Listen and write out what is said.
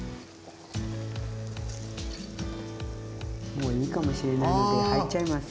もういいかもしれないので入っちゃいます。